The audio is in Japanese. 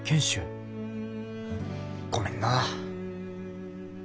・ごめんな。